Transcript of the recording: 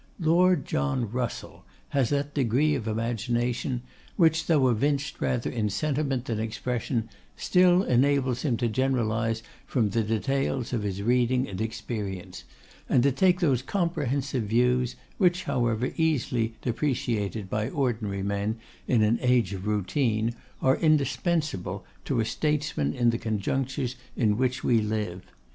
LORD JOHN RUSSELL has that degree of imagination, which, though evinced rather in sentiment than expression, still enables him to generalise from the details of his reading and experience; and to take those comprehensive views, which, however easily depreciated by ordinary men in an age of routine, are indispensable to a statesman in the conjunctures in which we live.